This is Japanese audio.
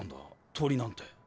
鳥なんて。